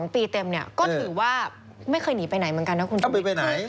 ๒ปีเต็มเนี่ยก็ถือว่าไม่เคยหนีไปไหนเหมือนกันนะคุณต้องไปไหน